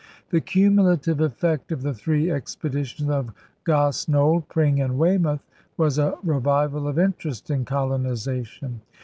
The cumulative effect of the three expeditions of Gosnold, Pring, and Weymouth was a revival of interest in colonization.